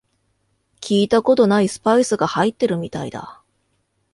聞いたことないスパイスが入ってるみたいだ